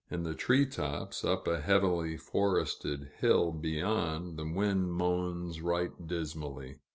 In the tree tops, up a heavily forested hill beyond, the wind moans right dismally.